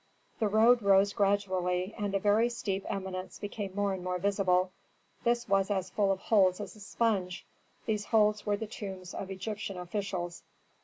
The road rose gradually, and a very steep eminence became more and more visible; this was as full of holes as a sponge: those holes were the tombs of Egyptian officials.